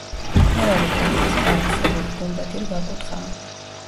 მთავარი ტაძრის კარვისებური გუმბათი რვაკუთხაა.